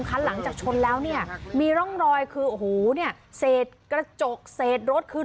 ขั้นหลังจากช้นแล้วมีร่องรอยคือเสร็จกระจกเสร็จรถคืน